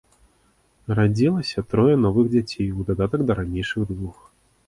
Радзілася трое новых дзяцей у дадатак да ранейшых двух.